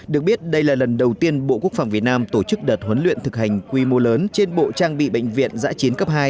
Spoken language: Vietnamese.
được biết đây là lần đầu tiên bộ quốc phòng việt nam tổ chức đợt huấn luyện thực hành quy mô lớn trên bộ trang bị bệnh viện giã chiến cấp hai